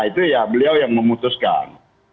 itu ya beliau yang memutuskan